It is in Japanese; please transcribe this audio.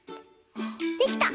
できた！